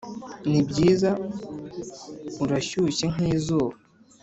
nibyiza, urashyushye nkizuba